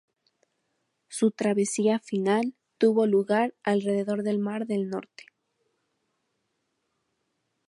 Su travesía final tuvo lugar alrededor del mar del Norte.